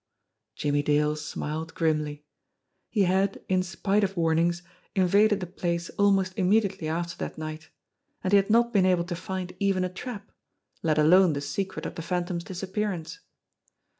Jimmie Dale smiled grimly. He had, in spite of warnings, invaded the place almost immediately after that night and he had not been able to find even a trap, let alone the secret of the Phantom's disappearance!